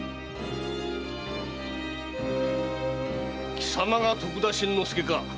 きさまが徳田新之助か？